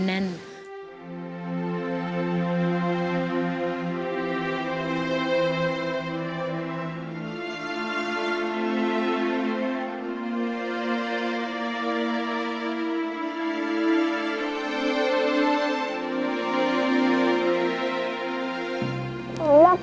ผมรักพ่อครับ